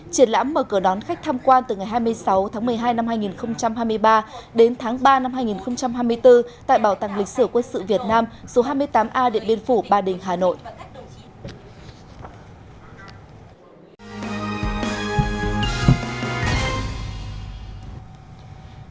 triển lãm mở cửa đón khách tham quan từ ngày hai mươi sáu tháng một mươi hai năm hai nghìn hai mươi ba đến tháng ba năm hai nghìn hai mươi bốn tại bảo tàng lịch sử quân sự việt nam số hai mươi tám a điện biên phủ ba đình hà nội